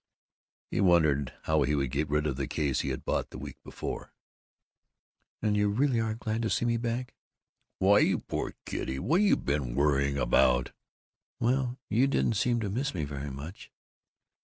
He wondered how he would get rid of the case he had bought the week before. "And you really are glad to see me back?" "Why, you poor kiddy, what you been worrying about?" "Well, you didn't seem to miss me very much."